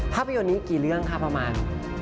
ภาพยนตร์นี้กี่เรื่องค่ะประมาณ